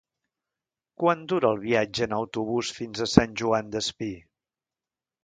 Quant dura el viatge en autobús fins a Sant Joan Despí?